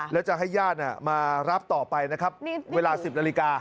แล้วจะให้ญาติมารับต่อไปนะครับเวลา๑๐นาฬิกา